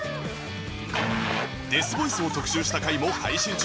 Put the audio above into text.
デスボイスを特集した回も配信中